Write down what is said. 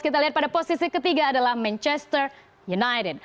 kita lihat pada posisi ketiga adalah manchester united